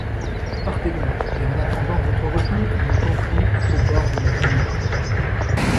Partez donc, et, en attendant votre retour, nous camperons au bord de la Wimerra.